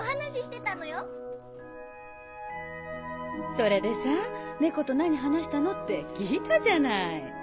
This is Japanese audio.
それでさ「猫と何話したの？」って聞いたじゃない。